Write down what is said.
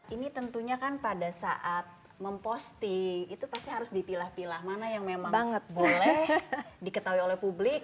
ini tentunya kan pada saat memposting itu pasti harus dipilah pilah mana yang memang boleh diketahui oleh publik